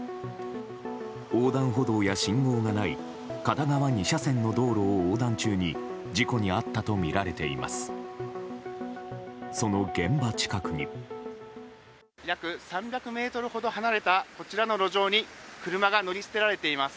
横断歩道や信号がない片側２車線の道路を横断中に事故に遭ったとみられています。